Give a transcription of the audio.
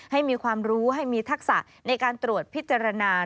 ให้มีความรู้ให้มีทักษะในการตรวจพิจารณา